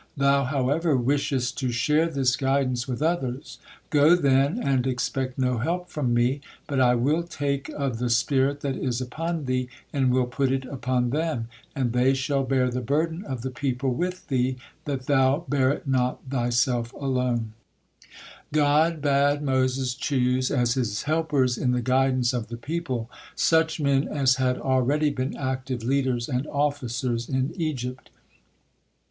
Thou, however, wishest to share this guidance with others. Go, then, and expect no help from Me, 'but I will take of the spirit that is upon thee and will put it upon them; and they shall bear the burden of the people with thee, that thou bear it not thyself alone'" God bade Moses choose as his helpers in the guidance of the people such men as had already been active leaders and officers in Egypt.